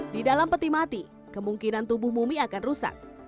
di dalam peti mati kemungkinan tubuh mumi akan rusak